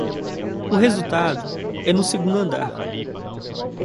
O resultado é no segundo andar